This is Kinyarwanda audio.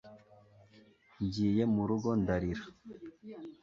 nagiye murugo ndarira